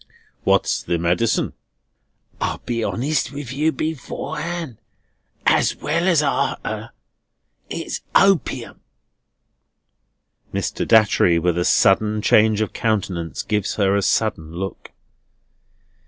"What's the medicine?" "I'll be honest with you beforehand, as well as after. It's opium." Mr. Datchery, with a sudden change of countenance, gives her a sudden look.